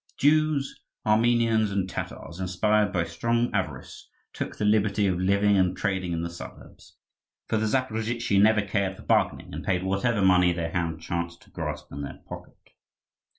Jews, Armenians, and Tatars, inspired by strong avarice, took the liberty of living and trading in the suburbs; for the Zaporozhtzi never cared for bargaining, and paid whatever money their hand chanced to grasp in their pocket.